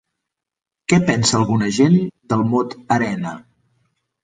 Què pensa alguna gent del mot arena?